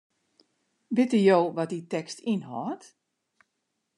Witte jo wat dy tekst ynhâldt?